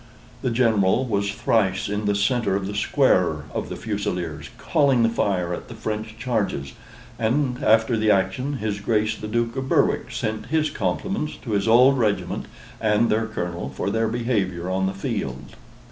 The General was thrice in the centre of the square of the Fusileers, calling the fire at the French charges, and, after the action, his Grace the Duke of Berwick sent his compliments to his old regiment and their Colonel for their behavior on the field.